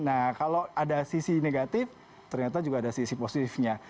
nah kalau ada sisi negatif ternyata juga ada sisi positifnya